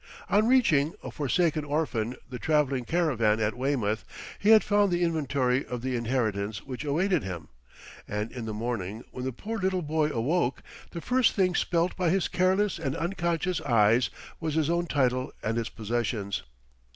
On reaching, a forsaken orphan, the travelling caravan at Weymouth, he had found the inventory of the inheritance which awaited him; and in the morning, when the poor little boy awoke, the first thing spelt by his careless and unconscious eyes was his own title and its possessions.